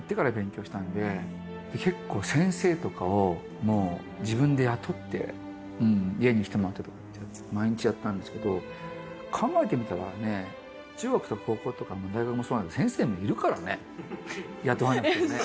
結構先生とかをもう自分で雇って家に来てもらったりとかって毎日やったんですけど考えてみたらね中学とか高校とか大学もそうなんだけど先生いるからね雇わなくてもね。